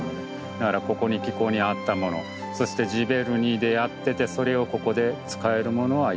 だからここに気候に合ったものそしてジヴェルニーでやっててそれをここで使えるものはやっていく。